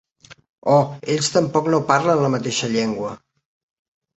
Oh, ells tampoc no parlen la mateixa llengua.